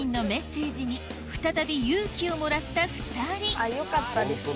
３人のよかったですね。